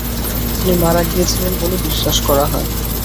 তিনি মারা গিয়েছিলেন বলে বিশ্বাস করা হয়।